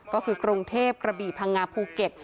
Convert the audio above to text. ก็คือกรุงเทพกระบี่พังงาภูเก็ต